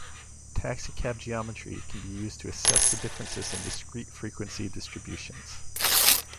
Taxicab geometry can be used to assess the differences in discrete frequency distributions.